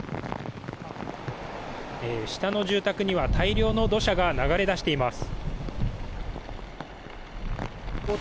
下の住宅には大量の土砂が流れ出しています。